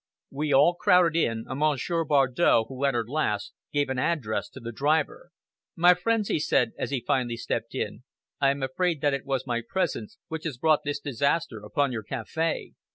We all crowded in, and Monsieur Bardow, who entered last, gave an address to the driver. "My friends," he said, as he finally stepped in, "I am afraid that it was my presence which has brought this disaster upon your café.